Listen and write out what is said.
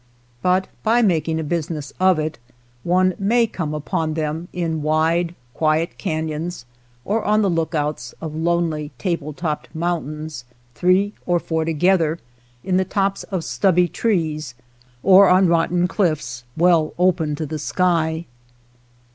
But by making a business 51 THE SCAVENGERS of it one may come upon them in wi de, quiet cafions, or on the lookouts of lonely, table topped mountains, three or four to gether, in the tops of stubby trees or on rotten cliffs well open to the sky.